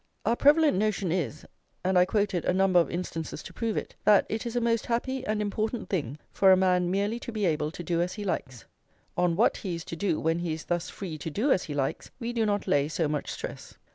Our prevalent notion is, and I quoted a number of instances to prove it, that it is a most happy and important thing for a man merely to be able to do as he likes. On what he is to do when he is thus free to do as he likes, we do not lay so much stress.